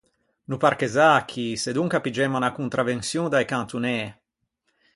No parchezzâ chì, sedonca piggemmo unna contravençion da-i cantonê.